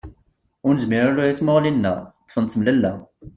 Ur nezmir ara ula i tmuɣli-nneɣ, ṭṭfent temlella.